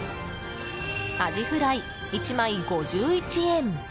アジフライ１枚５１円。